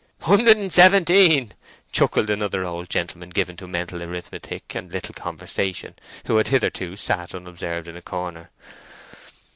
"Hundred and seventeen," chuckled another old gentleman, given to mental arithmetic and little conversation, who had hitherto sat unobserved in a corner.